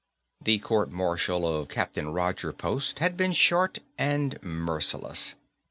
The court martial of Captain Roger Post had been short and merciless.